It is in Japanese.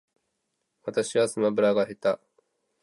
私はスマブラが下手